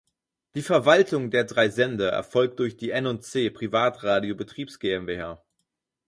Die Verwaltung der drei Sender erfolgt durch die N&C Privatradio Betriebs GmbH.